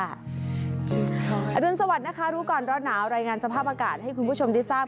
รุนสวัสดิ์นะคะรู้ก่อนร้อนหนาวรายงานสภาพอากาศให้คุณผู้ชมได้ทราบ